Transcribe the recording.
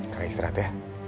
kakak istirahat ya